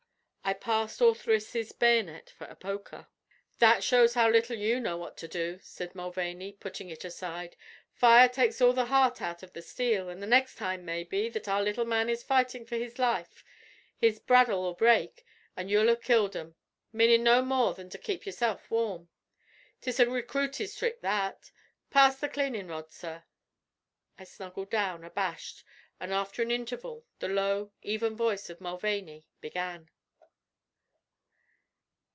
I passed Ortheris' bayonet for a poker. "That shows how little you know what to do," said Mulvaney, putting it aside. "Fire takes all the heart out av the steel, an' the next time, maybe, that our little man is fightin' for his life his bradawl'll break, an' so you'll 'ave killed him, m'anin' no more than to kape yourself warm. 'Tis a recruity's thrick that. Pass the cl'anin' rod, sorr." I snuggled down, abashed, and after an interval the low, even voice of Mulvaney began.